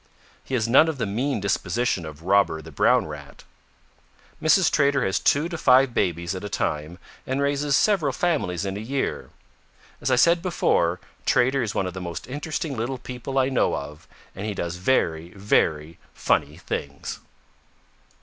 He has none of the mean disposition of Robber the Brown Rat. Mrs. Trader has two to five babies at a time and raises several families in a year. As I said before, Trader is one of the most interesting little people I know of, and he does very, very funny things.